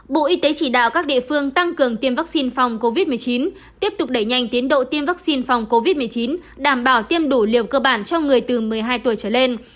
bộ y tế chỉ đạo các địa phương tăng cường tiêm vaccine phòng covid một mươi chín tiếp tục đẩy nhanh tiến độ tiêm vaccine phòng covid một mươi chín đảm bảo tiêm đủ liều cơ bản cho người từ một mươi hai tuổi trở lên